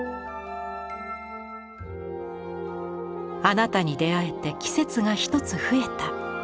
「あなたに出会えて季節がひとつ増えた」。